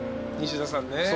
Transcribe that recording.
西田さんね。